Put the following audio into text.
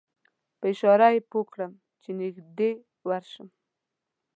په اشاره یې پوی کړم چې نږدې ورشم.